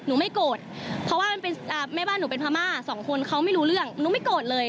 ไม่โกรธเพราะว่ามันเป็นแม่บ้านหนูเป็นพม่าสองคนเขาไม่รู้เรื่องหนูไม่โกรธเลย